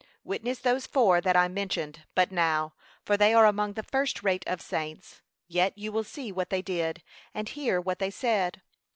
Witness those four that I mentioned but now, for they are among the first rate of saints, yet you see what they did, and hear what they said.